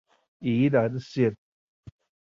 宜蘭線